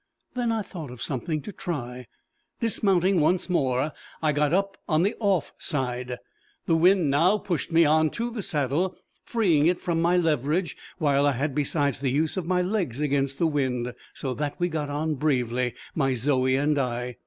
Then I thought of something to try: dismounting once more, I got up on the off side. The wind now pushed me on to the saddle, freeing it from my leverage, while I had, besides, the use of my legs against the wind, so that we got on bravely, my Zoe and I.